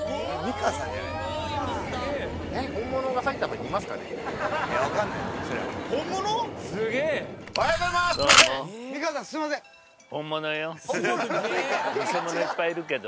偽者いっぱいいるけど。